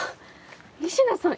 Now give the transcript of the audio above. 仁科さん